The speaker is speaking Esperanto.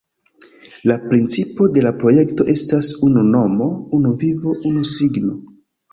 La principo de la projekto estas “Unu nomo, unu vivo, unu signo”.